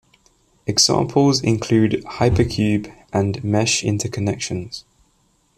Examples include hypercube and mesh interconections.